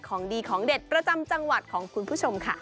ของดีของเด็ดประจำจังหวัดของคุณผู้ชมค่ะ